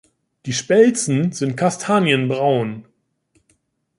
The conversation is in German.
Die Spelzen sind kastanienbraun.